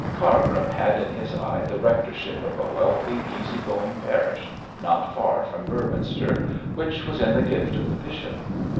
Cargrim had in his eye the rectorship of a wealthy, easy going parish, not far from Beorminster, which was in the gift of the bishop.